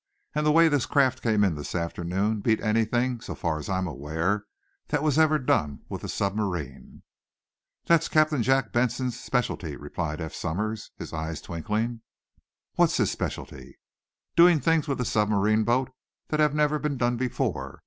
"And the way this craft came in this afternoon beat anything, so far as I'm aware, that was ever done with a submarine." "That's Captain Jack Benson's specialty," replied Eph Somers, his eyes twinkling. "What's his specialty!" "Doing things with a submarine boat that have never been done before.